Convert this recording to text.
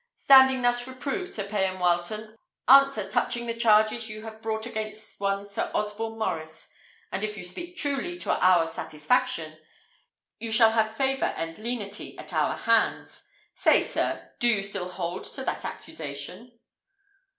"Standing thus reproved, Sir Payan Wileton, answer touching the charges you have brought against one Sir Osborne Maurice; and if you speak truly, to our satisfaction, you shall have favour and lenity at our hands. Say, sir, do you still hold to that accusation?"